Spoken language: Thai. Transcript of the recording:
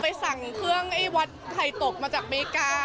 ไปสั่งเครื่องไวท์ไทยตกมาจากอเมริกา